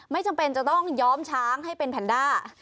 ไม่จำเป็นจะต้องย้อมช้างให้เป็นแพนด้า